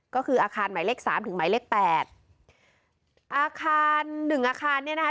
ก็คืออาคารหมายเลขสามถึงหมายเลขแปดอาคารหนึ่งอาคารเนี่ยนะคะ